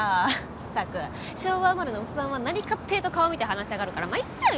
ったく昭和生まれのオッサンは何かってえと顔見て話したがるから参っちゃうよ